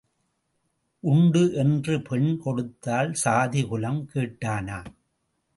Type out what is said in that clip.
உண்டு என்று பெண் கொடுத்தால் சாதிகுலம் கேட்டானாம்.